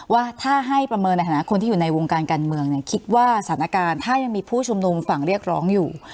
ว่าถ้าให้ประเมินในฐานะคนที่อยู่ในวงการการเมืองเนี่ยคิดว่าสถานการณ์ถ้ายังมีผู้ชุมนุมฝั่งเรียกร้องอยู่